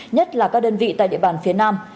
nhất là các đơn vị tại địa bàn phía nam